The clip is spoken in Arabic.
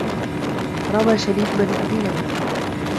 رَوَى شَرِيكُ بْنُ أَبِي نَمِرٍ